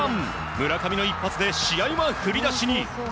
村上の一発で試合は振り出しに。